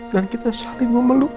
dan kita saling memeluk